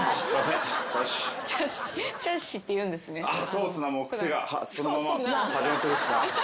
そうっすなもう癖がそのまま始まってるっすな。